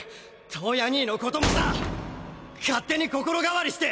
燈矢兄のこともさ勝手に心変わりして！